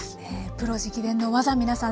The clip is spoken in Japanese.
プロ直伝の技皆さん